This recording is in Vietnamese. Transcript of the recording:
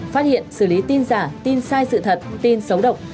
phát hiện xử lý tin giả tin sai sự thật tin xấu độc